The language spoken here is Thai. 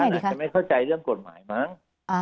อาจจะไม่เข้าใจเรื่องกฎหมายมั้ง